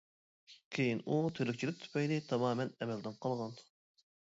كېيىن ئۇ تىرىكچىلىك تۈپەيلى تامامەن ئەمەلدىن قالغان.